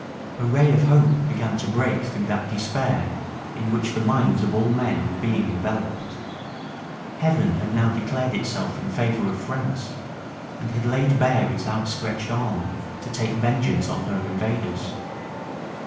A ray of hope began to break through that despair in which the minds of all men were before enveloped. Heaven had now declared itself in favor of France, and had laid bare its outstretched arm to take vengeance on her invaders.